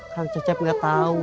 kang cecep gak tau